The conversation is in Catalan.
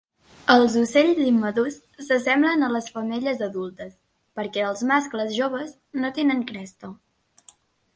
Els ocells immadurs s'assemblen a les femelles adultes, perquè els mascles joves no tenen cresta.